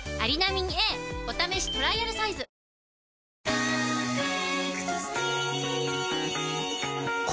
「パーフェクトスティック」